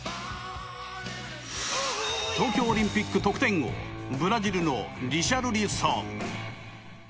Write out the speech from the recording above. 東京オリンピック得点王ブラジルのリシャルリソン。